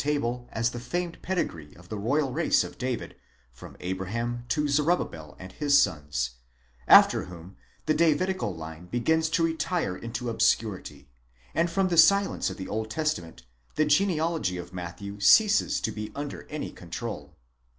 table as the famed pedigree of the royal race of David, from Abraham to Zorobabel and his sons ; after whom, the Davidical line begins to retire into obscurity, and from the silence of the Old Testament the genealogy of Mat thew ceases to be underany control.